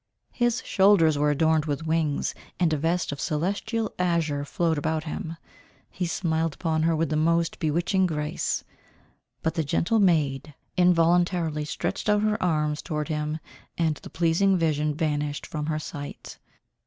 His shoulders were adorned with wings, and a vest of celestial azure flowed around him. He smiled upon her with the most bewitching grace. But the gentle maid involuntarily stretched out her arms towards him, and the pleasing vision vanished from her sight.